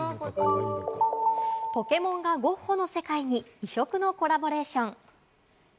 『ポケモン』がゴッホの世界に、異色のコラボレーション。